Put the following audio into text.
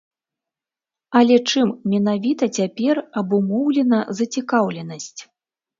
Але чым менавіта цяпер абумоўлена зацікаўленасць?